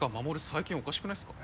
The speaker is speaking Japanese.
最近おかしくないっすか？